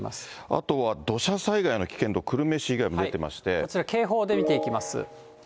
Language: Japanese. あとは土砂災害の危険度、こちら、警報で見ていきます。